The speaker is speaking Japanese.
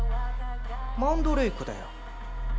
マンドレークだよ。